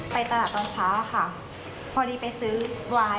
ไปตลาดตอนเช้าค่ะพอดีไปซื้อวาย